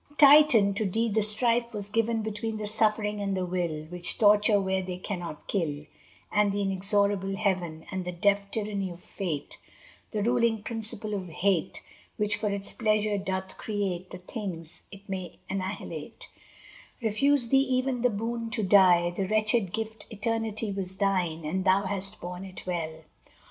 II Titan! to thee the strife was given Between the suffering and the will, Which torture where they cannot kill; And the inexorable Heaven, And the deaf tyranny of Fate, The ruling principle of Hate, Which for its pleasure doth create The things it may annihilate, Refused thee even the boon to die; The wretched gift eternity Was thine and thou hast borne it well.